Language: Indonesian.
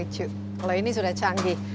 kalau ini sudah canggih